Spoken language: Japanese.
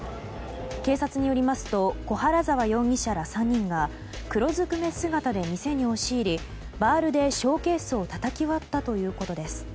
警察によりますと小原澤容疑者ら３人が黒ずくめ姿で店に押し入りバールでショーケースをたたき割ったということです。